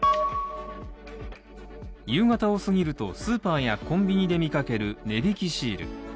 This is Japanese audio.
夕方を過ぎると、スーパーやコンビニで見かける値引きシール。